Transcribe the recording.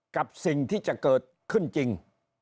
กับสิ่งที่จะเกิดขึ้นจริง